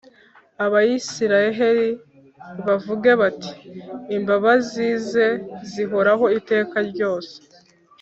Abayisiraheri bavuge bati imbabazize zihoraho iteka ryose